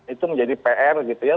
itu menjadi pr gitu ya